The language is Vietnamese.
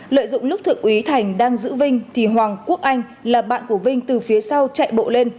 lợi dụng lúc thượng úy thành đang giữ vinh thì hoàng quốc anh là bạn của vinh từ phía sau chạy bộ lên